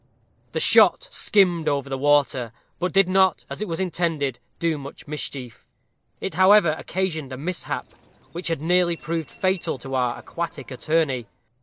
The shot skimmed over the water, but did not, as it was intended, do much mischief. It, however, occasioned a mishap, which had nearly proved fatal to our aquatic attorney.